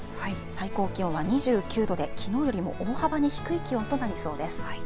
最高気温は２９度できのうよりも大幅に低い気温となりそうです。